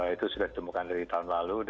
itu sudah ditemukan dari tahun lalu